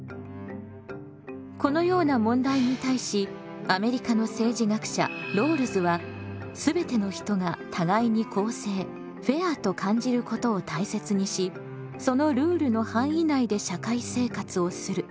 このような問題に対しアメリカの政治学者ロールズは全ての人が互いに公正フェアと感じることを大切にしそのルールの範囲内で社会生活をする。